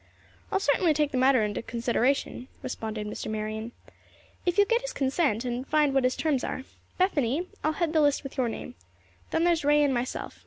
"I'll certainly take the matter into consideration," responded Mr. Marion, "if you will get his consent, and find what his terms are. Bethany, I'll head the list with your name. Then there's Ray and myself.